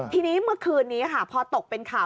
ทีนี้เมื่อคืนนี้ค่ะพอตกเป็นข่าว